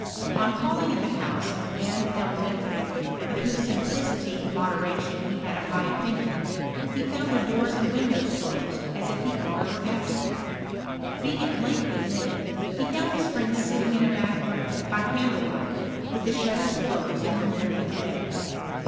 On calling at the house of M. Delametherie, of whose simplicity and modera tion he had a high opinion, he found the doors and windows closed, as if the owner were absent. Being at length admitted, he found his friend sitting in a baclc room, by candle light, with the shutters closed in the middle of the day.